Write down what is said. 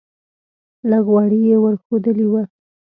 لږ غوړي یې ور ښودلی و.